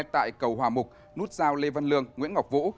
tại cầu hòa mục nút giao lê văn lương nguyễn ngọc vũ